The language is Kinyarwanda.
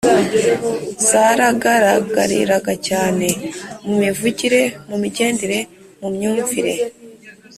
zaragaragariraga cyane, mu mivugire, mu migendere, mu myumvire,